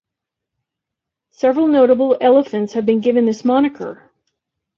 Several notable elephants have been given this moniker.